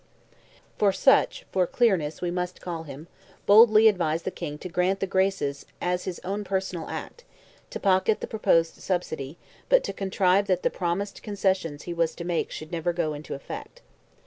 Strafford (for such for clearness we must call him) boldly advised the King to grant "the graces" as his own personal act, to pocket the proposed subsidy, but to contrive that the promised concessions he was to make should never go into effect.